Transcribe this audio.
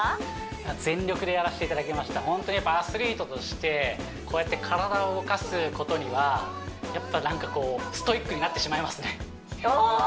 全力でやらせていただけましたホントにやっぱアスリートとしてこうやって体を動かすことにはやっぱなんかこうストイックになってしまいますねお！